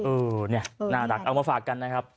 เออเนี่ยน่ารักเอามาฝากกันนะครับ